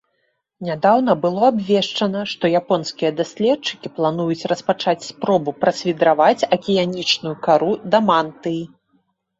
Нядаўна было абвешчана, што японскія даследчыкі плануюць распачаць спробу прасвідраваць акіянічную кару да мантыі.